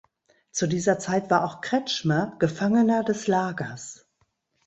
Zu dieser Zeit war auch Kretschmer Gefangener des Lagers.